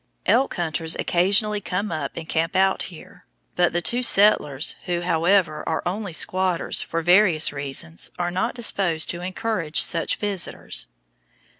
Elk hunters occasionally come up and camp out here; but the two settlers, who, however, are only squatters, for various reasons are not disposed to encourage such visitors.